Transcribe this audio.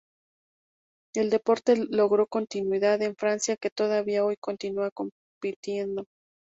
El deporte logró continuidad en Francia que todavía hoy continúan compitiendo.